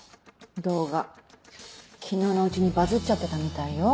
動画昨日のうちにバズっちゃってたみたいよ。